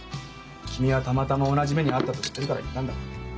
君はたまたま同じ目に遭ったと知ってるから言ったんだ。